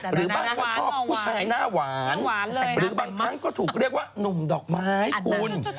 หรือบ้างก็ชอบผู้ชายหน้าหวานหรือบางครั้งก็ถูกเรียกว่านุ่มดอกไม้คุณ